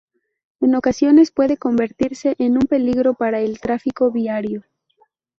En ocasiones puede convertirse en un peligro para el tráfico viario.